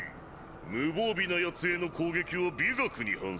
無防備な奴への攻撃は美学に反する！